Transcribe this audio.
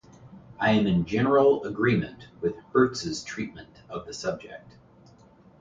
I am in general agreement with Hertz's treatment of the subject.